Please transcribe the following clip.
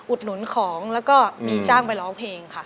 หนุนของแล้วก็มีจ้างไปร้องเพลงค่ะ